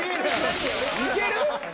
いける？